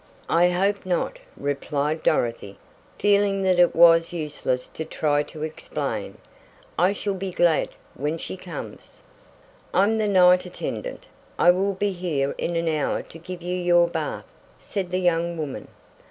"I hope not," replied Dorothy, feeling that it was useless to try to explain. "I shall be glad when she comes." "I'm the night attendant. I will be here in an hour to give you your bath," said the young woman.